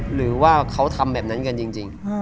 หรือว่าเขาทำแบบนั้นกันจริง